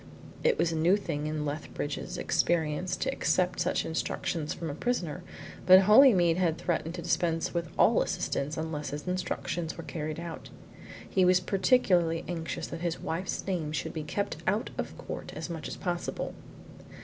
It was a new thing in Lethbridge's experience to accept such instructions from a prisoner, but Holymead had threatened to dispense with all assistance unless his instructions were carried out. He was particularly anxious that his wife's name should be kept out of court as much as possible.